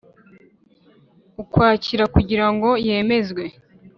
Ukwakira kugira ngo yemezwe